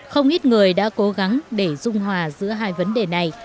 không ít người đã cố gắng để dung hòa giữa hai vấn đề này